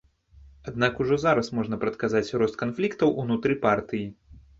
Аднак ужо зараз можна прадказаць рост канфліктаў унутры партыі.